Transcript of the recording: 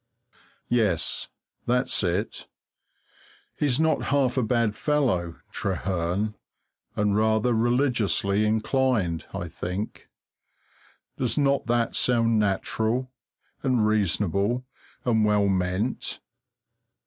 Yes, that's it. He's not half a bad fellow, Trehearn, and rather religiously inclined, I think. Does not that sound natural, and reasonable, and well meant?